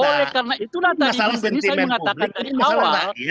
oleh karena itulah tadi saya mengatakan dari awal